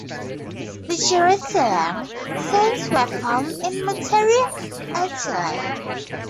The "Jerusalem" scenes were filmed in Matera, Italy.